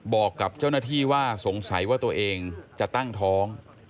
บอกกับเจ้าหน้าที่ว่าสงสัยว่าตัวเองจะตั้งท้อง